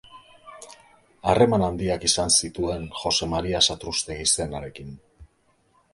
Harreman handiak izan zituen Jose Maria Satrustegi zenarekin.